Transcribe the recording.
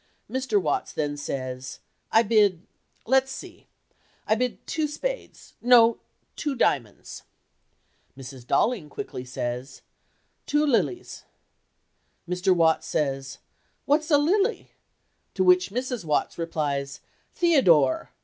Mr. Watts then says, "I bid—let's see—I bid two spades—no, two diamonds." Mrs. Dollings quickly says, "Two lilies," Mr. Watts says, "What's a lily?" to which Mrs. Watts replies, "Theodore!"